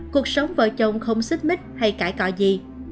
cuộc sống vợ chồng không xích mít hay cải cọ gì